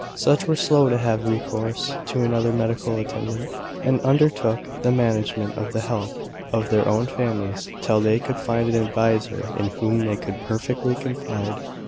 Such were slow to have recourse to another medical attendant, and undertook the management of the health of their own families, till they could find an adviser in whom they could perfectly confide.